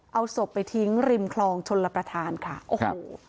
เอาศพไปทิ้งริมคลองชนระประธานค่ะโอ้โห